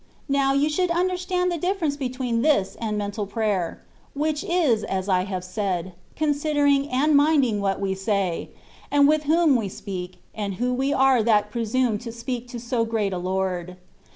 Now, you should understand the difference between this and mental prayer, which is, as I have said, considering and minding what we say, and with whom we speak, and who we are that presume to speak to so great a Lord.